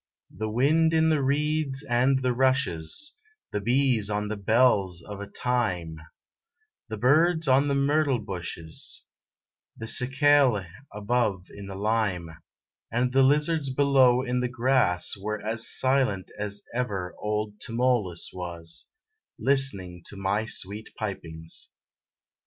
The wind in the reeds and the rushes, The bees on the bells of thyme, The birds on the myrtle bushes, The cicale above in the lime, And the lizards below in the grass, Were as silent as ever old Tmolus was, Listening to my sweet pipings.